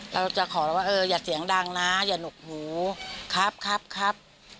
เราจะขอว่าอย่าเสียงดังนะอย่าหนกหูครับครับครับ